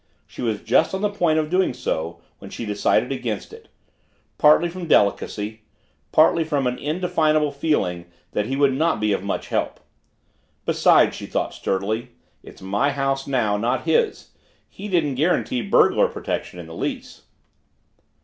She was just on the point of doing so when she decided against it partly from delicacy, partly from an indefinable feeling that he would not be of much help. Besides, she thought sturdily, it's my house now, not his. He didn't guarantee burglar protection in the lease.